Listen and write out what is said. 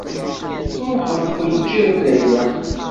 Truḥeḍ teǧǧiḍ-d ayla-m.